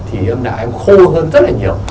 thì âm đạo em khô hơn rất là nhiều